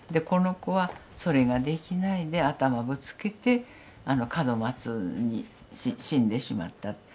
この子はそれができないで頭ぶつけてあの門松に死んでしまった。